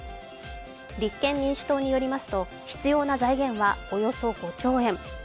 立憲民主党によりますと、必要な財源はおよそ５兆円。